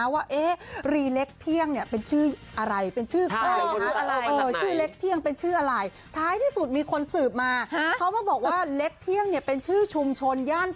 อ๋อเหรอคือบอกย่านเขาอะไรอย่างนี้ซะแหละ